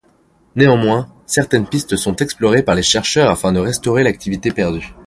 Néanmoins, certaines pistes sont explorées par les chercheurs afin de restaurer l'activité perdue.